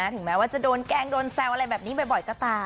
ถึงแม้ว่าจะโดนแกล้งโดนแซวอะไรแบบนี้บ่อยก็ตาม